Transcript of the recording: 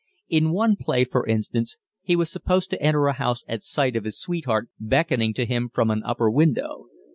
In one play, for instance, he was supposed to enter a house at sight of his sweetheart beckoning to him from an upper window.